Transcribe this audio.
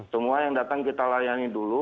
semua yang datang kita layani dulu